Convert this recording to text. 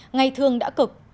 ngày thường đã cực